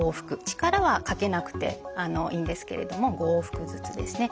力はかけなくていいんですけれども５往復ずつですね。